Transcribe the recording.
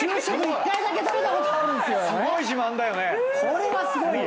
これはすごいよ。